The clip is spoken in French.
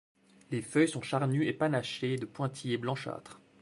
Les feuilles sont charnues et panachées de pointillés blanchâtres.